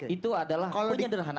itu adalah penyederhanan